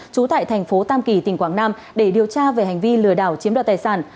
trú tại thành phố tam kỳ tỉnh quảng nam để điều tra về hành vi lừa đảo chiếm đoạt tài sản